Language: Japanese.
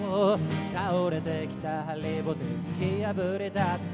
「倒れてきたハリボテ、突き破り立って」